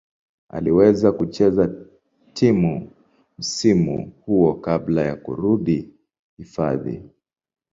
Aliweza kucheza tena msimu huo kabla ya kurudi hifadhi.